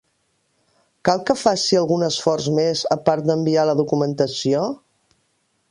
Cal que faci algun esforç més, a part d'enviar la documentació?